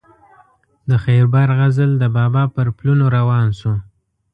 د خیبر غزل د بابا پر پلونو روان شو.